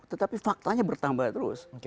tetapi faktanya bertambah terus